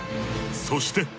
そして。